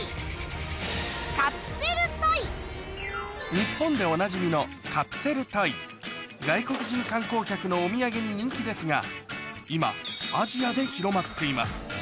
日本でおなじみの外国人観光客のお土産に人気ですが今アジアで広まっています